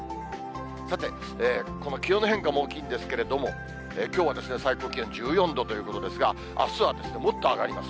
さて、この気温の変化も大きいんですけれども、きょうは最高気温１４度ということですが、あすはもっと上がります。